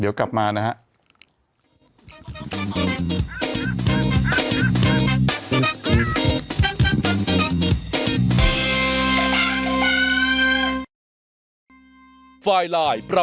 เดี๋ยวกลับมานะฮะ